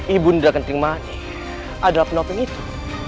ibu dan kenting manis adalah penopeng itu